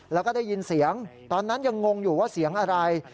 แล้วก็ได้ยินเสียงตอนนั้นยังงงอยู่ว่าเสียงอะไร